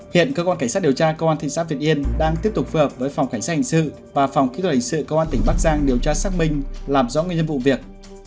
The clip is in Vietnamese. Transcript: hiện cơ quan cảnh sát điều tra công an thị xã việt yên đang tiếp tục phù hợp với phòng cảnh sát hình sự và phòng kỹ thuật hình sự công an tỉnh bắc giang điều tra xác minh làm rõ nguyên nhân vụ việc